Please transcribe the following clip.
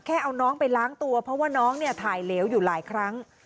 เอาน้องไปล้างตัวเพราะว่าน้องเนี่ยถ่ายเหลวอยู่หลายครั้ง